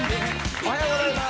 おはようございます。